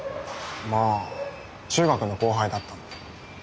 まあ中学の後輩だったんで。